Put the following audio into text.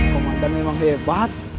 komandan memang hebat